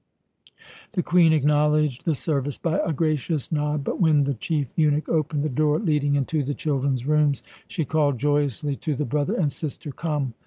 The Queen acknowledged the service by a gracious nod, but when the chief eunuch opened the door leading into the children's rooms, she called joyously to the brother and sister, "Come!"